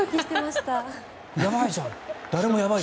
やばいじゃんって。